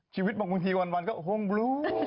ชีวิตบางทีบางทีก็ห้องบลู